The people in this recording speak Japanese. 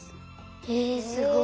へえすごい。